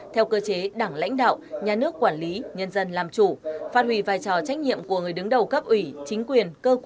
theo cơ chế đảng lãnh đạo nhà nước quản lý nhân dân làm chủ phát huy vai trò trách nhiệm của người đứng đầu cấp ủy